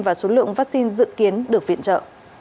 và số lượng vaccine dự kiến được viện trợ